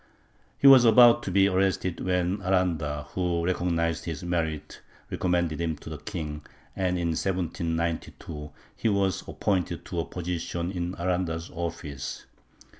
He was about to be arrested when Aranda, who recognized his merit, recommended him to the king and, in 1792, he was appointed to a position in Aranda's office.